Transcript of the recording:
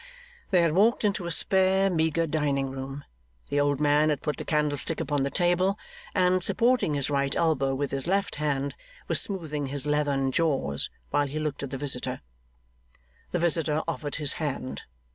They had walked into a spare, meagre dining room. The old man had put the candlestick upon the table, and, supporting his right elbow with his left hand, was smoothing his leathern jaws while he looked at the visitor. The visitor offered his hand.